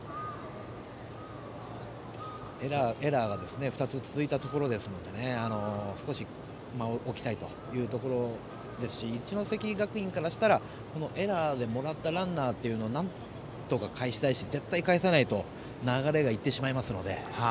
エラーが２つ続いたところですので少し間を置きたいところですし一関学院からしたらこのエラーでもらったランナーをなんとかかえしたいし絶対かえさないと流れが行ってしまいますので。